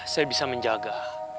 saya bisa menjaga